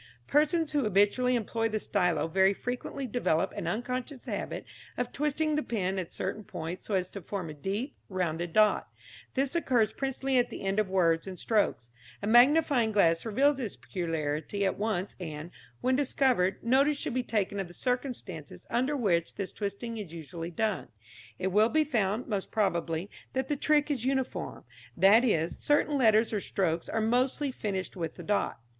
Persons who habitually employ the stylo very frequently develop an unconscious habit of twisting the pen at certain points so as to form a deep, rounded dot. This occurs principally at the ends of words and strokes. A magnifying glass reveals this peculiarity at once, and, when discovered, notice should be taken of the circumstances under which this twisting is usually done. It will be found, most probably, that the trick is uniform; that is, certain letters or strokes are mostly finished with the dot.